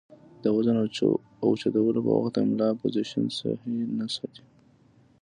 د وزن اوچتولو پۀ وخت د ملا پوزيشن سهي نۀ ساتي